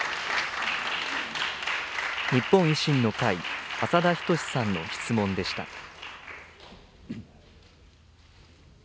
日本維新の会、浅田均さんの質問でした。